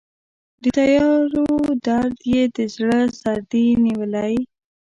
د تیارو درد یې د زړه سردې نیولی